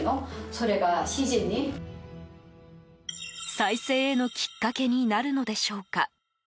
再生へのきっかけになるのでしょうか。